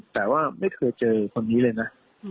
แต่ว่าไม่เคยเจอคนนี้เลยนะ